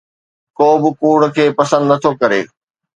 ڪو به ڪوڙ کي پسند نٿو ڪري